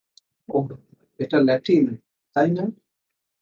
ওহ, এটা ল্যাটিন, তাই না?